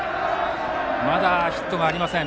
まだヒットがありません。